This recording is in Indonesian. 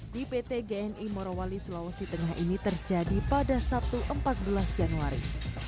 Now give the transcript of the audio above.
di pt gni morowali sulawesi tengah ini terjadi pada sabtu empat belas januari